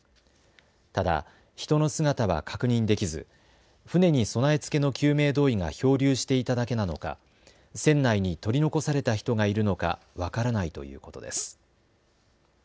ただ人の姿は確認できず船に備え付けの救命胴衣が漂流していただけなのか船内に取り残された人がいるのか分からないということです。